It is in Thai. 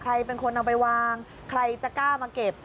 ใครเป็นคนเอาไปวางใครจะกล้ามาเก็บ